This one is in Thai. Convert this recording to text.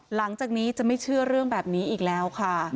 หลังจากนี้จะไม่เชื่อเรื่องแบบนี้อีกแล้วค่ะ